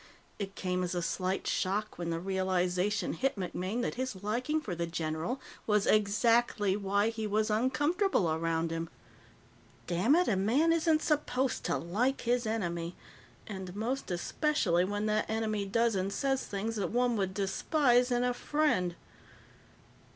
It came as a slight shock when the realization hit MacMaine that his liking for the general was exactly why he was uncomfortable around him. Dammit, a man isn't supposed to like his enemy and most especially when that enemy does and says things that one would despise in a friend.